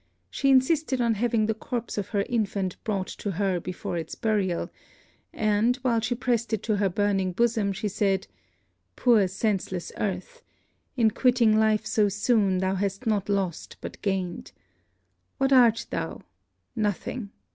She insisted on having the corpse of her infant brought to her before its burial; and, while she pressed it to her burning bosom, she said 'Poor senseless earth! In quitting life so soon, thou hast not lost but gained! What art thou? nothing!